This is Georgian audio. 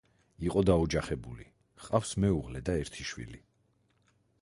იყო დაოჯახებული, ჰყავს მეუღლე და ერთი შვილი.